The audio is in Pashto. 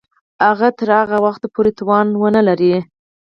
هغه تر هغه وخته پوري توان ونه لري.